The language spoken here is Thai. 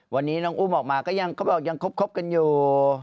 วันนี้น้องอุ้มออกมาก็แบบว่ายังครบครบกันอยู่